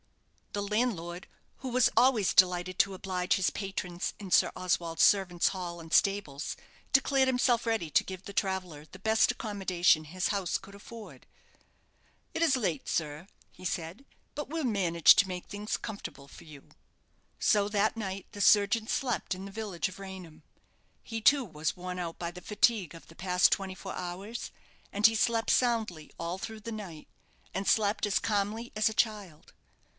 The landlord, who was always delighted to oblige his patrons in Sir Oswald's servants' hall and stables, declared himself ready to give the traveller the best accommodation his house could afford. "It's late, sir," he said; "but we'll manage to make things comfortable for you." So that night the surgeon slept in the village of Raynham. He, too, was worn out by the fatigue of the past twenty four hours, and he slept soundly all through the night, and slept as calmly as a child.